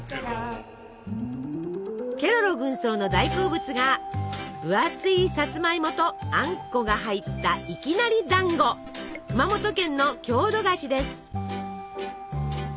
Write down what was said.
ケロロ軍曹の大好物が分厚いさつまいもとあんこが入った熊本県の郷土菓子です。